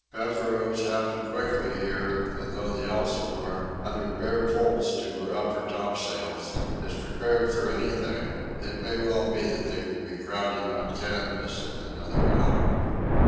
Pamperos happen quickly here, and though the Elsinore, under bare poles to her upper topsails, is prepared for anything, it may well be that they will be crowding on canvas in another hour.